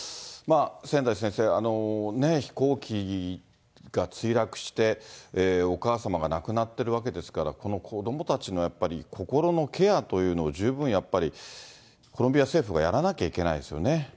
千代先生、飛行機が墜落して、お母様が亡くなってるわけですから、この子どもたちのやっぱり、心のケアというのを十分やっぱり、コロンビア政府がやらなきゃいけないですよね。